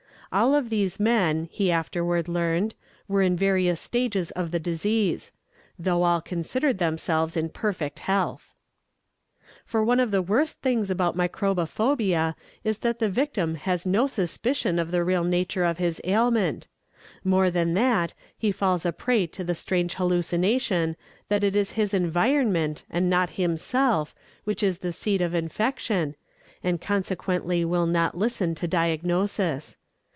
All of these men, he afterward learned, were in various stages of the disease though all considered themselves in perfect health. For one of the worst things about microbophobia is that the victim has no suspicion of the real nature of his ailment; more than that, he falls a prey to the strange hallucination that it is his environment, and not himself, which is the seat of infection, and consequently will not listen to diagnosis.